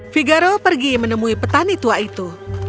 figaro pergi menemui petani tua itu